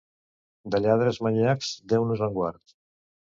De lladres manyacs, Déu nos en guard!